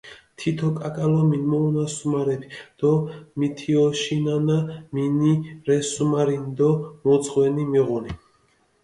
თითო კაკალო მინმოჸუნა სუმარეფი დო მჷთიოშინანა, მინი რე სუმარინი დო მუ ძღვენი მიღუნი.